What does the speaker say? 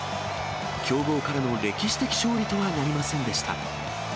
強豪からの歴史的勝利とはなりませんでした。